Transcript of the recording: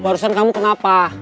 barusan kamu kenapa